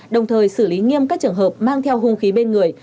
đồng thời xử lý nghiêm các trường hợp mang theo hung khí bên người